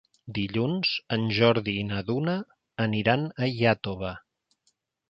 Dilluns en Jordi i na Duna aniran a Iàtova.